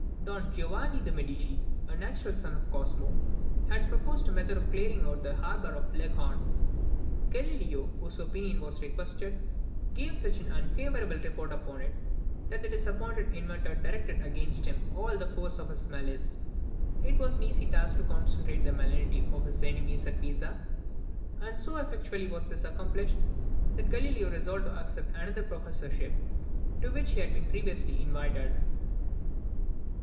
Don Giovanni de Medici, a natural son of Cosmo, had proposed a method of clearing out the harbour of Leghorn. Galileo, whose opinion was requested, gave such an unfavourable report upon it, that the disappointed inventor directed against him all the force of his malice. It was an easy task to concentrate the malignity of his enemies at Pisa; and so effectually was this accomplished, that Galileo resolved to accept another professorship, to which he had been previously invited.